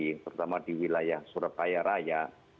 rumah sakit rumah sakit rujukan seperti yang disampaikan oleh pak wakub tadi